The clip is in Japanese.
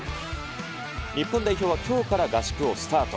日本代表はきょうから合宿をスタート。